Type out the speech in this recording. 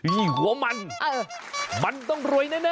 มีหัวมันมันต้องรวยแน่